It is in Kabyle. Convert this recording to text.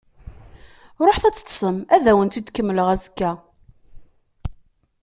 Ruḥet ad teṭṭsem, ad awen-tt-id-kemmleɣ azekka.